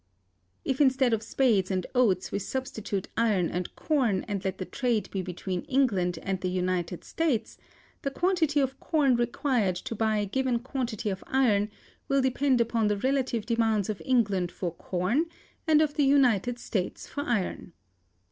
If instead of spades and oats we substitute iron and corn, and let the trade be between England and the United States, the quantity of corn required to buy a given quantity of iron will depend upon the relative demands of England for corn and of the United States for iron.